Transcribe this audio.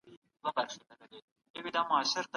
ځواني د نوي نسل د جوړېدو وخت دی.